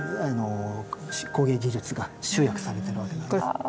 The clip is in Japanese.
工芸技術が集約されてるわけなんです。